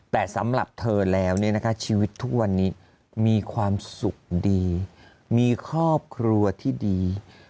แต่สำหรับเธอแล้วเนี่ยนะคะชีวิตทุกวันนี้มีความสุขดีมีครอบครัวที่ดี